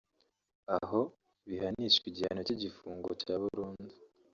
aho bihanishwa igihano cy’igifungo cya burundu